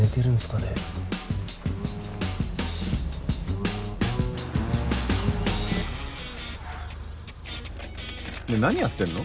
ねぇ何やってんの？